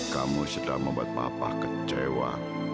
kamu sudah membuat papa kecewa